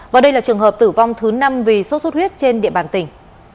và đây là trường hợp tử vong thứ năm vì sốt xuất huyết trên địa bàn tỉnh